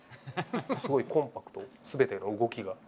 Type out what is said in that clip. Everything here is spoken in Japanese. すごいコンパクト、すべての動きが。